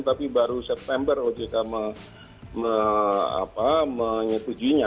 tapi baru september ojk menyetujuinya